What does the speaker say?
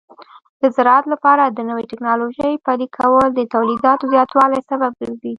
د زراعت لپاره د نوې ټکنالوژۍ پلي کول د تولیداتو زیاتوالي سبب ګرځي.